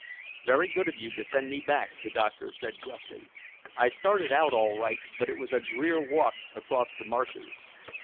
"Very good of you to send me back," the doctor said gruffly. "I started out all right, but it was a drear walk across the marshes."